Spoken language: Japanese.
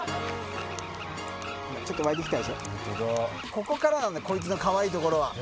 ここからなんだこいつのかわいいところは。